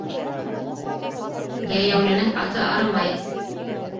Йәйәүленең аты арымай.